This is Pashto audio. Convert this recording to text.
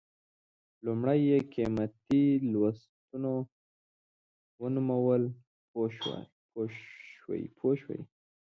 لومړی یې قیمتي لوستونه ونومول پوه شوې!.